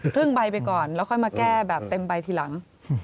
ครึ่งใบไปก่อนแล้วค่อยมาแก้แบบเต็มใบทีหลัง